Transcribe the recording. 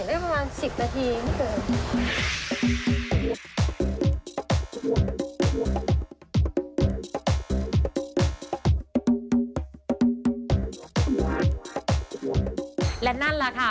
พี่หนึ่งแต่งคือลงซีลิคมไปปึ๊บตีดสีจบแผลสามารถแต่งได้ประมาณ๑๐นาที